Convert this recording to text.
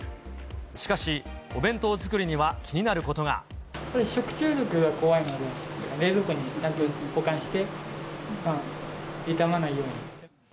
しかし、お弁当作りには気になる食中毒が怖いので、冷蔵庫にちゃんと保管して、傷まないように。